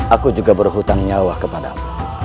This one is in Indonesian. aku juga berhutang nyawa kepadamu